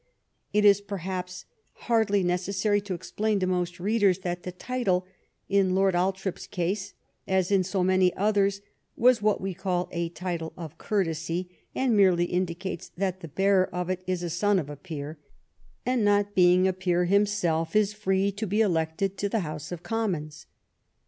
It is perhaps hardly necessary to explain to most readers that the title in Lord Althorp s case, as in so many others, was what we call a " title of courtesy," and merely indicates that the bearer of it is a son of a peer, and, not being a peer himself, is free to be elected to the House of Commons.